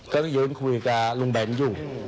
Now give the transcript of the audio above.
ก็คุยว่าวะอยู่